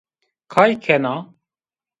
Kay kena.